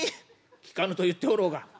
「効かぬと言っておろうが」。